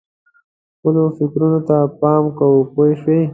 خپلو فکرونو ته پام کوه پوه شوې!.